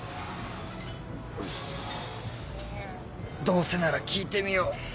どうせなら聞いてみよう